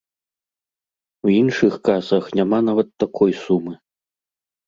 У іншых касах няма нават такой сумы.